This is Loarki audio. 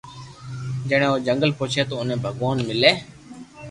جڻي او جنگل پوچي تو اوني ڀگوان ملي